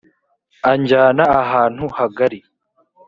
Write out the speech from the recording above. anjyana ahantu hagari